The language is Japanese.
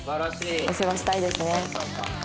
お世話したいですね。